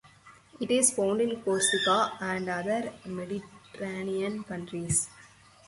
It is found in Corsica and other Mediterranean countries.